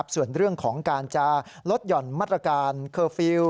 ส่วนเรื่องของการจะลดหย่อนมาตรการเคอร์ฟิลล์